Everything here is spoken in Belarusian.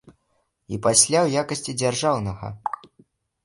І пасля ў якасці дзяржаўнага.